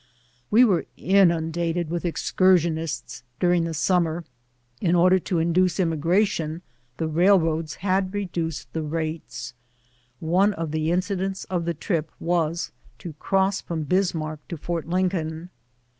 '' We were inundated with excursionists during tlie summer. In order to induce imnn'gration the railroads had reduced the rate^. One of the incidents of the trip was to cross from Bismarck to Fort Lincoln.